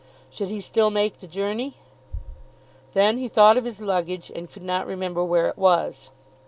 Should he still make the journey? Then he thought of his luggage, and could not remember where it was.